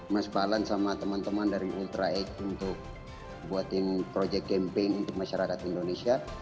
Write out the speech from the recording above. mas balan sama teman teman dari ultra eg untuk buatin project campaign untuk masyarakat indonesia